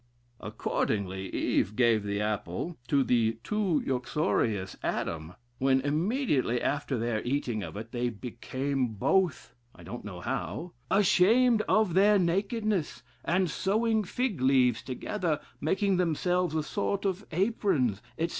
"Accordingly, Eve gave the apple to the too uxorious Adam, when immediately after their eating of it, they became both (I don't know how) ashamed of their nakedness, and sewing fig leaves together, making themselves a sort of aprons, etc.